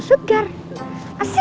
ke dari jakarta